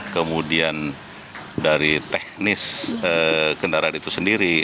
kemudian dari teknis kendaraan itu sendiri